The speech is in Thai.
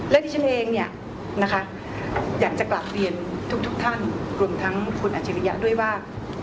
และที่ฉันเองเนี่ยนะคะอยากจะกลับเรียนทุกท่านรวมทั้งคุณอัจฉริยะด้วยว่า